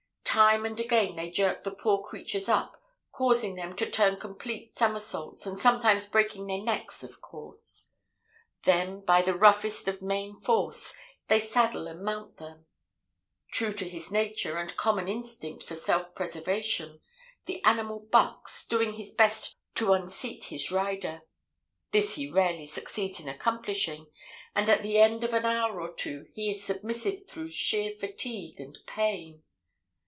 "Time and again they jerk the poor creatures up, causing them to turn complete somersaults, and sometimes breaking their necks, of course. Then, by the roughest of main force, they saddle and mount them. True to his nature and common instinct for self preservation, the animal bucks, doing his best to unseat his rider. This he rarely succeeds in accomplishing, and at the end of an hour or two he is submissive through sheer fatigue and pain.